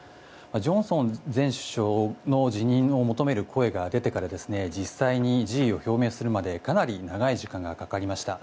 ジョンソン前首相の辞任を求める声が出てから実際に辞意を表明するまでかなり長い時間がかかりました。